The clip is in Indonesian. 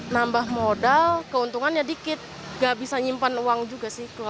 nambah modal keuntungannya dikit gak bisa nyimpan uang juga sih